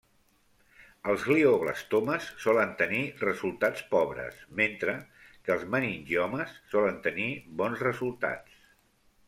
Els glioblastomes solen tenir resultats pobres, mentre que els meningiomes solen tenir bons resultats.